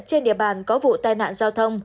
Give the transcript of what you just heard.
trên địa bàn có vụ tai nạn giao thông